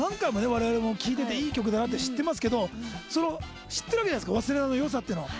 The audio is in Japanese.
われわれも聴いてていい曲だなって知ってますけど知ってるわけじゃないですか『勿忘』の良さってのは。